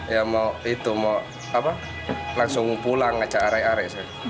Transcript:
ya mau itu mau langsung pulang aja arek arek